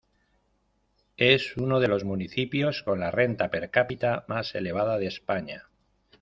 Es uno de los municipios con la renta per cápita más elevada de España.